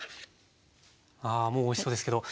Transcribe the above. あもうおいしそうですけど。